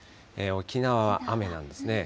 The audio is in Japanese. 沖縄は雨なんですね。